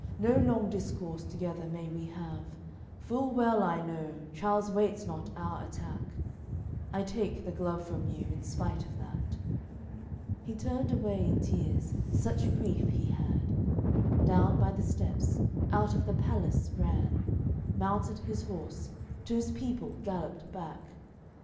No long discourse together may we have; Full well I know, Charles waits not our attack, I take the glove from you, in spite of that." He turned away in tears, such grief he had. Down by the steps, out of the palace ran, Mounted his horse, to's people gallopped back.